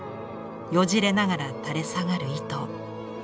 よじれながら垂れ下がる糸。